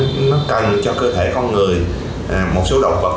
dù là địa chỉ hàn the là một chất